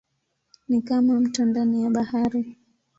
Ni kama mto ndani ya bahari.